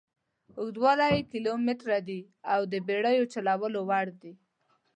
اوږدوالی یې کیلومتره دي او د بېړیو چلولو وړ دي.